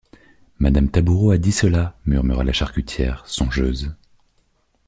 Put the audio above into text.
Madame Taboureau a dit cela, murmura la charcutière, songeuse.